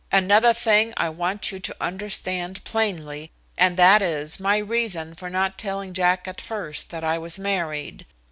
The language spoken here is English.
Another thing I want you to understand plainly and that is my reason for not telling Jack at first that I was married.